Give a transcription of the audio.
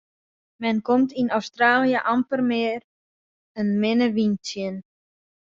Men komt yn Australië amper mear in minne wyn tsjin.